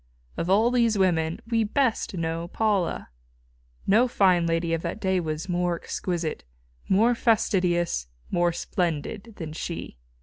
Of all these women we best know Paula. No fine lady of that day was more exquisite, more fastidious, more splendid than she.